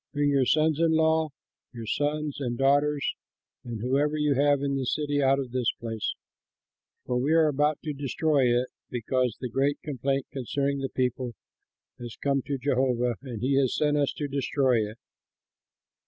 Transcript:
Bring your sons in law, your sons, and daughters, and whoever you have in the city out of this place, for we are about to destroy it, because great complaint concerning the people has come to Jehovah and he has sent us to destroy it."